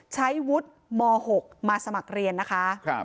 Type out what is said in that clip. ใช้วุฒิม๖มาสมัครเรียนนะคะ